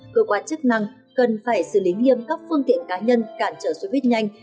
cơ quan chức năng cần phải xử lý nghiêm các phương tiện cá nhân cản trở xe buýt nhanh